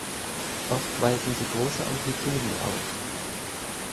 Oft weisen sie große Amplituden auf.